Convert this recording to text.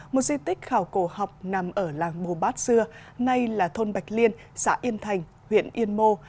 một di tích khảo cổ học nằm ở làng bồ bát xưa nay là thôn bạch liên xã yên thành huyện yên mô